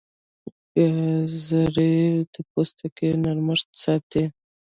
ګازرې د پوستکي نرمښت ساتي.